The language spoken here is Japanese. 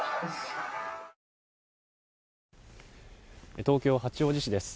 東京・八王子市です。